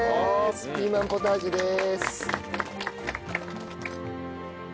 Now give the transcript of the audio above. ピーマンポタージュです。